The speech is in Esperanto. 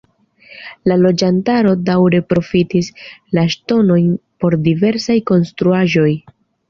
La loĝantaro daŭre profitis la ŝtonojn por diversaj konstruaĵoj.